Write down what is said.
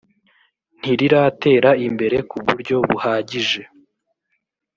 ntiriratera imbere ku buryo buhagije